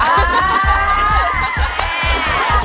ว้าว